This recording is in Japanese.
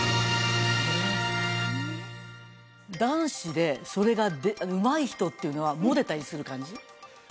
男子でそれがうまい人っていうのはモテたりする感じ？